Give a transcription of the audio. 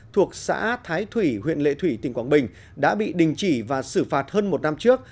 thuộc xã thái thủy huyện lệ thủy tỉnh quảng bình đã bị đình chỉ và xử phạt hơn một năm trước